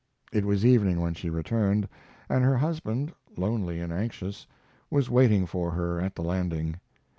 It was evening when she returned, and her husband, lonely and anxious, was waiting for her at the landing.